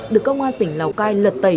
được công an tỉnh lào cai lật tẩy